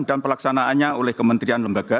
dan pelaksanaannya oleh kementerian lembaga